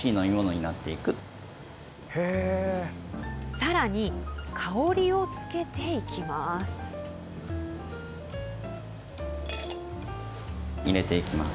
さらに香りをつけていきます。